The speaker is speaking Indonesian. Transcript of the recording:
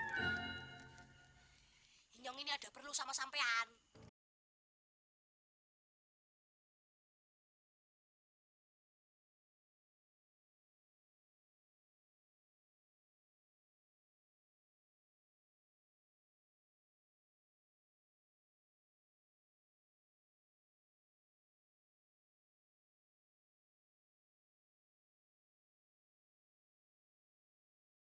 tapi nyong mesti berhasil kali ini